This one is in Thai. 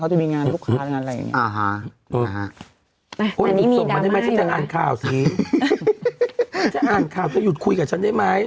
เขาจะมีงานลูกค้างานอะไรอย่างเงี้ยอ่าฮะอ่าฮะนี่มีดราม่าอยู่โอ้นหยุดสมมันได้ไหม